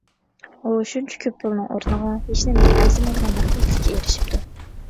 ئۇ شۇنچە كۆپ پۇلنىڭ ئورنىغا ھېچنېمىگە ئەرزىمەيدىغان «مەخپىيەت» لىككە ئېرىشىپتۇ!